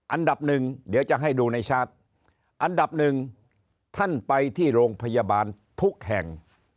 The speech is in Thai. อันดับหนึ่งเดี๋ยวจะให้ดูในชาร์จอันดับหนึ่งท่านไปที่โรงพยาบาลทุกแห่ง